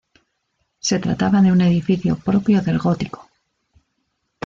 Se trataba de un edificio propio del gótico.